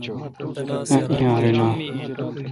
ایّیارینہ